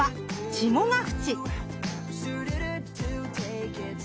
稚児ヶ淵。